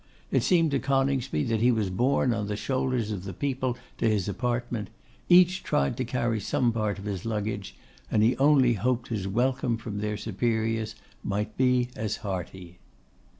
It seemed to Coningsby that he was borne on the shoulders of the people to his apartment; each tried to carry some part of his luggage; and he only hoped his welcome from their superiors might be as hearty.